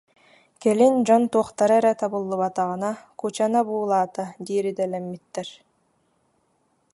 Кэлин дьон туохтара эрэ табыллыбатаҕына, «Кучана буулаата» диир идэлэммиттэр